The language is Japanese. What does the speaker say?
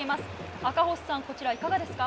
赤星さん、いかがですか？